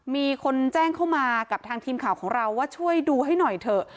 มีคนแจ้งเข้ามากับทางทีมข่าวของเราว่าช่วยดูให้หน่อยเถอะ